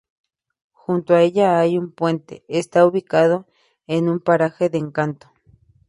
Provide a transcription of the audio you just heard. Junto a ella hay un puente, está ubicada en un paraje de encanto.